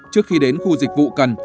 trước khi đến khu dịch vụ cần